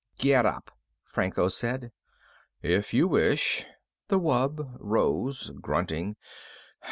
"Get up," Franco said. "If you wish." The wub rose, grunting.